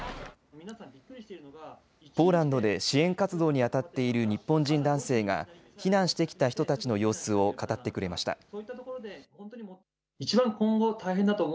ポーランドで支援活動に当たっている日本人男性が、避難してきた人たちの様子を語ってくれました。